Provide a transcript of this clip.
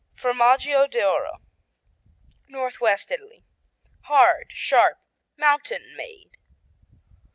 Formaggio d'Oro Northwest Italy Hard, sharp, mountain made.